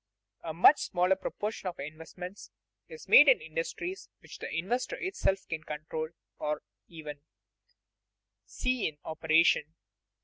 A much smaller proportion of investments is made in industries which the investor himself can control or even see in operation.